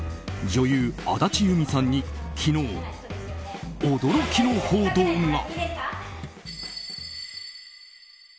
女優・安達祐実さんに昨日驚きの報道が。